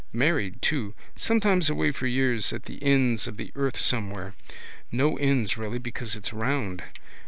Married too. Sometimes away for years at the ends of the earth somewhere. No ends really because it's round.